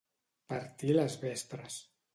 Partir les vespres.